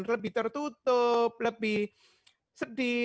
lebih tertutup lebih sedih